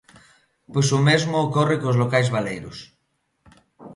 Pois o mesmo ocorre cos locais baleiros.